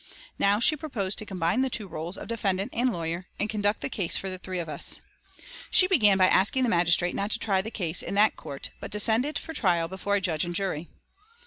Now she proposed to combine the two rôles of defendant and lawyer, and conduct the case for the three of us. She began by asking the magistrate not to try the case in that court, but to send it for trial before a judge and jury.